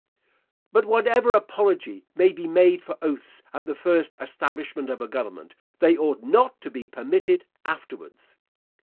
But whatever apology may be made for oaths at the first establishment of a government, they ought not to be permitted afterwards.